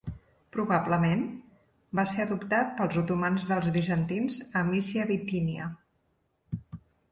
Probablement va ser adoptat pels otomans dels bizantins a Mísia-Bitínia.